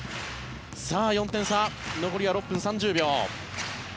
さあ、４点差残りは６分３０秒。